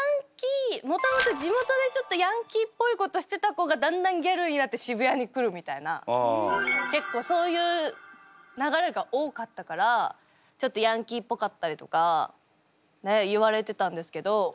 もともと地元でちょっとヤンキーっぽいことしてた子がだんだんギャルになって渋谷に来るみたいな結構そういう流れが多かったからちょっとヤンキーっぽかったりとか言われてたんですけど。